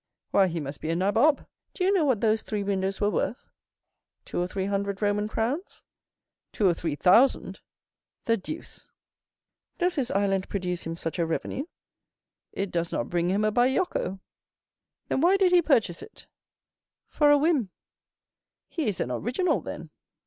"Why, he must be a nabob. Do you know what those three windows were worth?" "Two or three hundred Roman crowns?" "Two or three thousand." "The deuce!" "Does his island produce him such a revenue?" "It does not bring him a bajocco." "Then why did he purchase it?" "For a whim." "He is an original, then?"